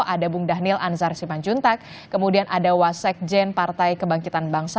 ada bung dhanil anzar simanjuntak kemudian ada wasekjen partai kebangkitan bangsa